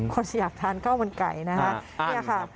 คนที่อยากทานข้าวมันไก่นะคะ